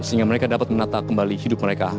sehingga mereka dapat menata kembali hidup mereka